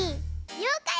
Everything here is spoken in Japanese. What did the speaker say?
ようかい！